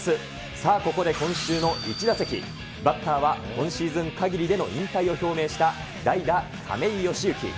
さあここで今週のイチ打席、バッターは今シーズンかぎりでの引退を表明した代打、亀井善行。